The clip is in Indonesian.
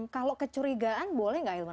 kalau kecurigaan boleh gak ilman